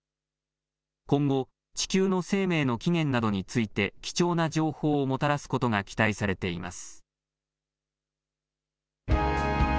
今後地球の生命の起源などについて貴重な情報をもたらすことが期待されています。